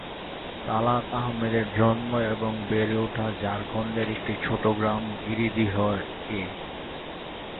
তালাত আহমদের জন্ম এবং বেড়ে ওঠা ঝাড়খণ্ডের একটি ছোট গ্রাম গিরীদিহ-এ।